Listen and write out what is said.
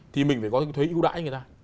thì mình phải có thuế ưu đãi cho người ta